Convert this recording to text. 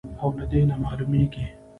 او له دې نه معلومېږي،